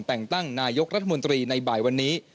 แต่งตั้งนายกรัฐมนตรีในบ่ายวันนี้